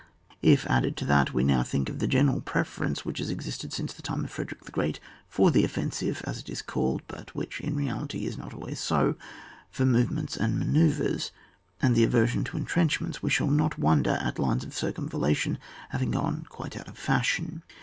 If, added to that, we now think of the general preference which has existed since the time of Frederick the Great for the offensive, as it is called, (but which, in reality, is not always so) for movements and manoeuvres, and the aversion to entrenchments, we shall not wonder at lines of circumvallation having gone quite out of fashion.